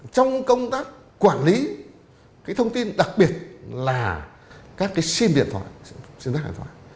trong công tác quản lý cái thông tin đặc biệt là các cái sim điện thoại sim đặt hành thoại